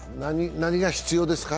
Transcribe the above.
何が必要ですか？